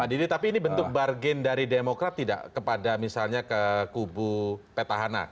pak didi tapi ini bentuk bargain dari demokrat tidak kepada misalnya ke kubu petahana